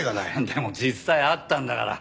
でも実際あったんだから。